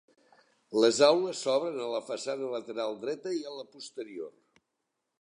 Les aules s'obren a la façana lateral dreta i a la posterior.